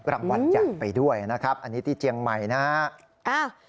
รางวัลใหญ่ไปด้วยนะครับอันนี้ที่เจียงใหม่นะฮะ